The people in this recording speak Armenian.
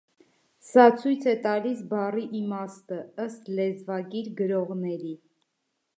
Սա ցույց է տալիս բառի իմաստը՝ ըստ լեզվակիր գրողների։